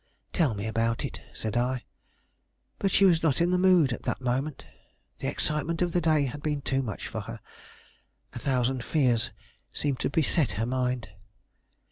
"Tell me about it," said I. But she was not in the mood at that moment. The excitement of the day had been too much for her. A thousand fears seemed to beset her mind.